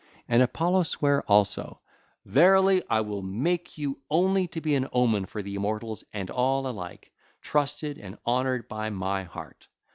And Apollo sware also: 'Verily I will make you only to be an omen for the immortals and all alike, trusted and honoured by my heart.